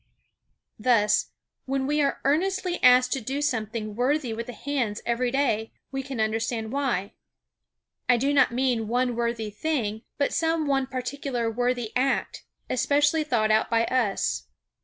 Thus, when we are earnestly asked to do something worthy with the hands every day, we can understand why. I do not mean one worthy thing, but some one particular worthy act, especially thought out by us.